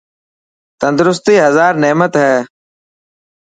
تندرستي هزار نعمت هي.